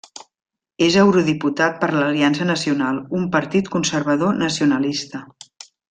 És eurodiputat per l'Aliança Nacional, un partit conservador nacionalista.